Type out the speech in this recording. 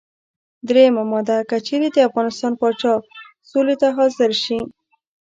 دریمه ماده: که چېرې د افغانستان پاچا سولې ته حاضر شي.